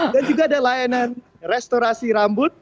dan juga ada layanan restorasi rambut